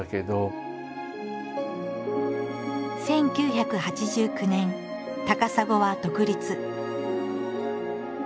１９８９年高砂は独立。